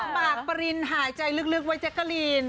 ปากปรินหายใจลึกไว้แจ๊กกะลีน